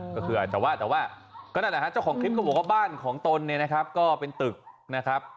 แต่ว่าเจ้าของคลิปก็บอกว่าบ้านของตนเนี่ยนะครับก็เป็นตึกนะครับ